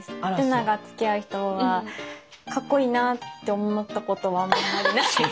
瑠奈がつきあう人はかっこいいなって思ったことはあんまりない。